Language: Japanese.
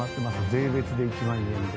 税別で１万円で。